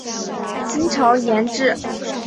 金朝沿置。